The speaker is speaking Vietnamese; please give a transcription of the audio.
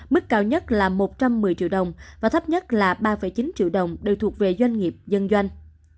mức cao nhất là một trăm một mươi triệu đồng và thấp nhất là ba chín triệu đồng đều thuộc về doanh nghiệp dân doanh